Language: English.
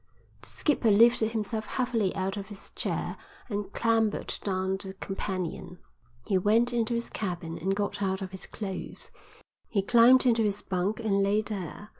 The skipper lifted himself heavily out of his chair and clambered down the companion. He went into his cabin and got out of his clothes. He climbed into his bunk and lay there.